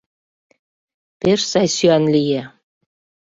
Пеш сай сӱан лие.